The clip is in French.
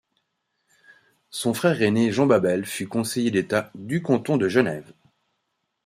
Son frère aîné Jean Babel fut conseiller d'État du canton de Genève.